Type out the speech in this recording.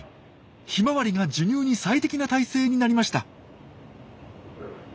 ヒマワリが授乳に最適な体勢になりました！